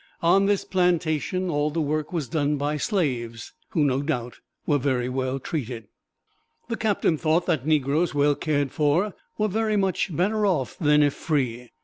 On this plantation all the work was done by slaves, who, no doubt, were very well treated. The captain thought that negroes well cared for were very much better off than if free.